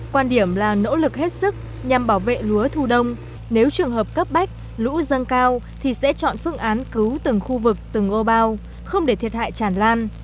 quan điểm là nỗ lực hết sức nhằm bảo vệ lúa thu đông nếu trường hợp cấp bách lũ dâng cao thì sẽ chọn phương án cứu từng khu vực từng ô bao không để thiệt hại chản lan